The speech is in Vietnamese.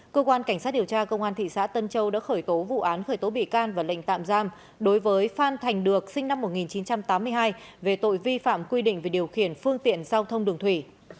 cơ quan cảnh sát điều tra công an thị xã tân châu đã khởi tố vụ án khởi tố bị can và lệnh tạm giam đối với phan thành được sinh năm một nghìn chín trăm tám mươi hai về tội vi phạm quy định về điều khiển phương tiện giao thông đường thủy